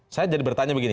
saya jadi bertanya begini